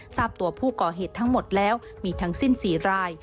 ทราบตัวผู้ก่อเหตุทั้งหมดแล้วมีทั้งสิ้น๔ราย